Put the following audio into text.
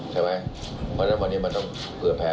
ใช่ไหมมันต้องเปิดแผน